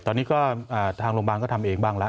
ตอนนี้ก็ทางโรงพยาบาลก็ทำเองบ้างแล้ว